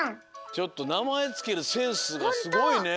ちょっとなまえつけるセンスがすごいね。